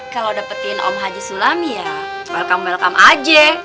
kalau dapetin om haji sulami ya welcome welcome aja